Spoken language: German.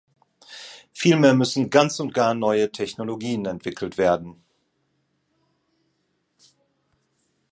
Vielmehr müssen ganz und gar neue Technologien entwickelt werden.